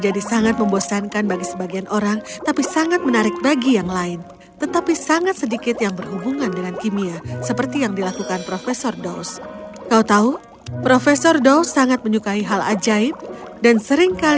dongeng bahasa indonesia